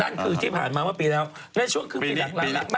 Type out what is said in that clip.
นั่นคือที่ผ่านมาเมื่อปีแล้วในช่วงครึ่งปีหลังมา